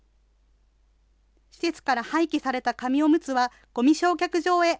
施設から廃棄された紙おむつは、ごみ焼却場へ。